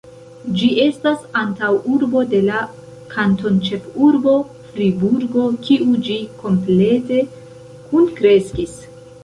Ĝi estas antaŭurbo de la kantonĉefurbo Friburgo, kiu ĝi komplete kunkreskis.